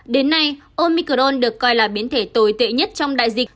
đến nay omicron được coi là biến thể tồi tệ nhất trong đại dịch